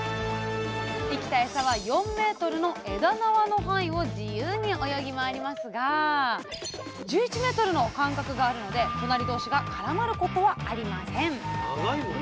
生きたエサは４ｍの「枝縄」の範囲を自由に泳ぎ回りますが１１ｍの間隔があるので隣同士が絡まることはありません。